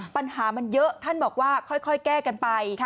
ปัญหามันเยอะท่านบอกว่าค่อยแก้กันไป